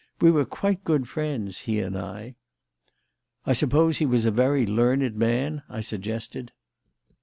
We were quite good friends, he and I." "I suppose he was a very learned man?" I suggested.